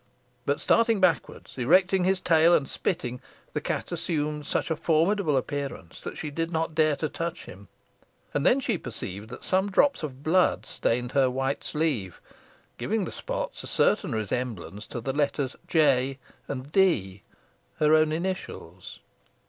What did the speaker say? But starting backwards, erecting his tail, and spitting, the cat assumed such a formidable appearance, that she did not dare to touch him, and she then perceived that some drops of blood stained her white sleeve, giving the spots a certain resemblance to the letters J. and D., her own initials.